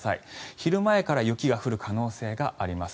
昼前から雪が降る可能性があります。